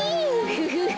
フフフフ。